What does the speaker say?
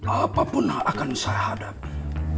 apapun akan saya hadapi